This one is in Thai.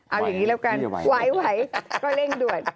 เอาอย่างนี้แล้วกันไหวก็เร่งด่วน